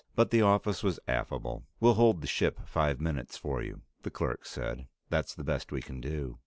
But the office was affable. "We'll hold the ship five minutes for you," the clerk said. "That's the best we can do."